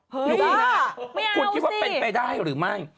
เฮ้ยไม่เอาสิครูคิดว่าเป็นไปได้หรือไม่